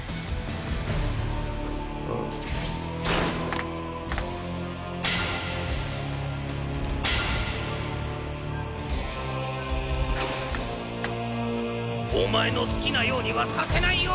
あ？お前の好きなようにはさせないよ！